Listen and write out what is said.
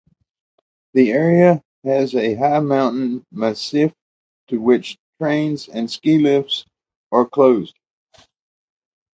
The area has a high mountain massif to which trains and ski-lifts are closed.